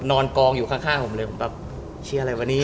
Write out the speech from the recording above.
นอนกองอยู่ข้างผมเลยผมแบบเชียร์อะไรวะนี่